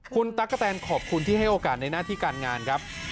คุณตั๊กกะแตนขอบคุณที่ให้โอกาสในหน้าที่การงานครับ